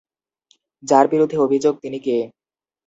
যাঁর বিরুদ্ধে অভিযোগ তিনি কে?